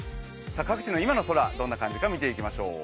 各地の今の空、どんな感じが見ていきましょう。